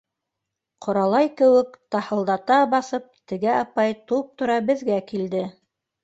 Ҡоралай кеүек тыһылдата баҫып, теге апай туп-тура беҙгә килде.